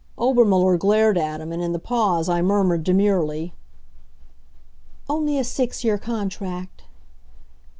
Obermuller glared at him, and in the pause I murmured demurely: "Only a six year contract."